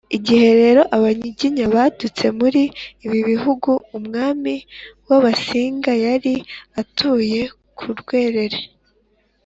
igihe rero abanyiginya badutse muri ibi bihugu, umwami w’abasinga yari atuye ku rwerere